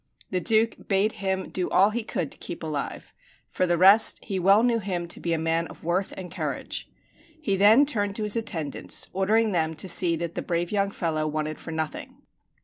The Duke bade him do all he could to keep alive; for the rest, he well knew him to be a man of worth and courage. He then turned to his attendants, ordering them to see that the brave young fellow wanted for nothing.